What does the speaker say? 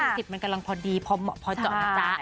อายุ๔๐มันกำลังพอดีพอเหมาะพอเจ้าอาจารย์